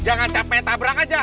jangan capek tabrak aja